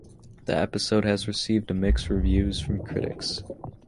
The episode has received mixed reviews from critics.